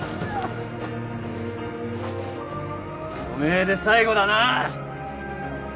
おめえで最後だな。